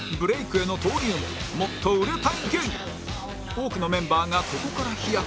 多くのメンバーがここから飛躍